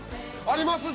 あります